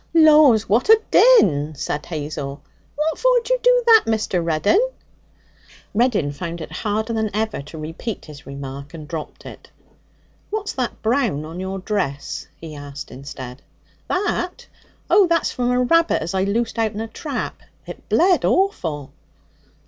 'Laws! what a din!' said Hazel. 'What for d'you do that, Mr. Reddin?' Reddin found it harder than ever to repeat his remark, and dropped it. 'What's that brown on your dress?' he asked instead. 'That? Oh, that's from a rabbit as I loosed out'n a trap. It bled awful.'